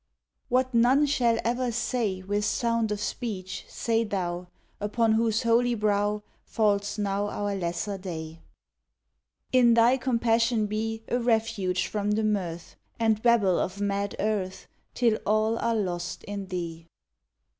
What none shall ever say With sound of speech, say thou, Upon whose holy brow Falls now our lesser day. 28 MEDIATRIX In thy compassion be A refuge from the mirth And babble of mad earth, Till all are lost in thee.